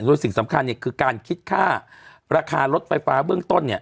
โดยสิ่งสำคัญคือการคิดค่าราคารถไฟฟ้าเบื้องต้น